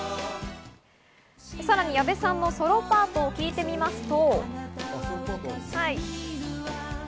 さらに矢部さんのソロパートを聞いてみますと。